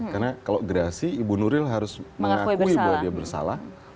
karena kalau gerasi ibu nuril harus mengakui bahwa dia bersalah